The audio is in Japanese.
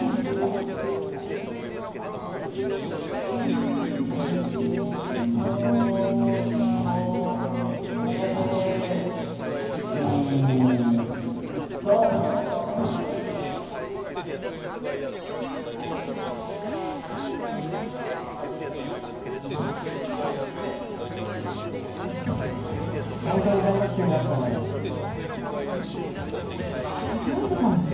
なかったチ・ヨ・コ・レ・イ・トホントに大学生になったんだね覚えてたの？